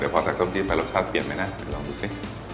แต่พอใส่ส้มจี้ไปรสชาติเปลี่ยนไหมนะลองดูสิ